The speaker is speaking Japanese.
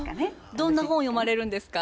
どんな本を読まれるんですか？